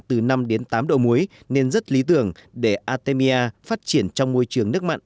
từ năm đến tám độ muối nên rất lý tưởng để artemia phát triển trong môi trường nước mặn